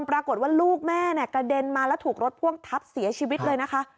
ปรากฏว่าลูกแม่กระเด็นมาแล้วถูกรถพ่วงทับเสียชีวิตเลยนะคะ